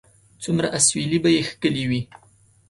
څومره اسويلي به یې کښلي وي